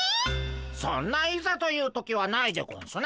そんな「いざという時」はないでゴンスな。